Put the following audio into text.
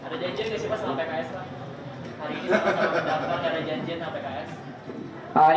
ada janjian di sini pak sama pks